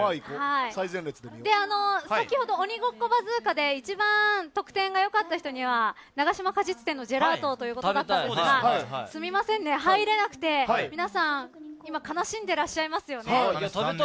先ほど「鬼ごっこバズーカ」で一番得点がよかった人には永島果実店のジェラートということだったんですがすみません、入れなくて皆さん悲しんでらっしゃいますよね。